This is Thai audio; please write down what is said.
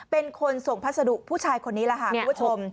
เป็นคนส่งพัสดุผู้ชายคนนี้แหละค่ะคุณผู้ชม